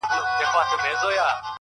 چي د ملا خبري پټي ساتي ـ